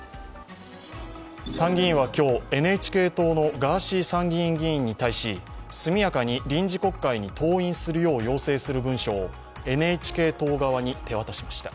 参議院は今日、ＮＨＫ党のガーシー参院議員に対して速やかに臨時国会に登院するよう要請する文書をＮＨＫ党側に手渡しました。